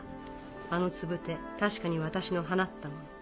あのツブテ確かに私の放ったもの。